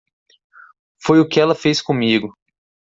Foi o que ela fez comigo.